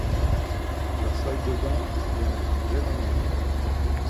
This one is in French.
La salle de bains doit être rénové